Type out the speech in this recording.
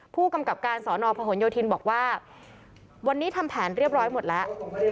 ผู้กำกับการสอนอพหนโยธินบอกว่าวันนี้ทำแผนเรียบร้อยหมดแล้ว